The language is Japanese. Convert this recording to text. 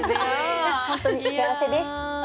本当に幸せです。